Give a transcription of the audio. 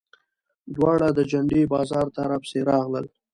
دواړه د جنډې بازار ته راپسې راغلل.